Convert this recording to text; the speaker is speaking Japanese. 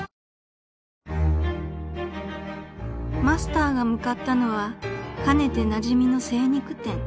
［マスターが向かったのはかねてなじみの精肉店］